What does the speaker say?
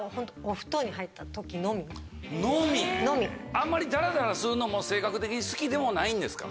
あんまりダラダラするのも性格的に好きでもないんですか？